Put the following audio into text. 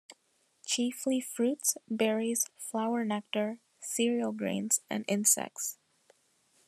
Chiefly fruits, berries, flower-nectar, cereal grains and insects.